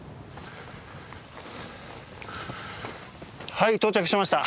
はい到着しました。